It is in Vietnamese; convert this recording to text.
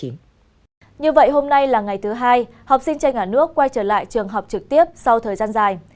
như vậy hôm nay là ngày thứ hai học sinh trên cả nước quay trở lại trường học trực tiếp sau thời gian dài